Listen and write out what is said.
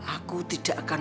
aku tidak akan